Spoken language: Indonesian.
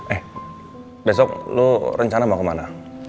eh besok lu rencana mau kemana